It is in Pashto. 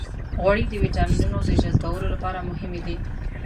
غوړې د ویټامینونو د جذبولو لپاره مهمې دي.